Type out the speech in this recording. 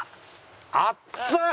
熱っ！